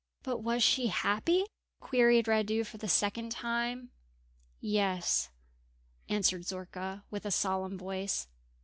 "But was she happy?" queried Radu, for the second time. "Yes," answered Zorka, with a solemn voice.